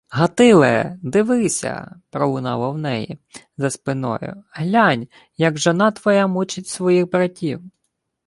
— Гатиле! Дивися! — пролунало в неї. за спиною. — Глянь, як жона твоя мучить своїх братів!